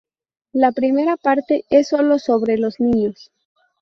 La primera parte es solo sobre los niños.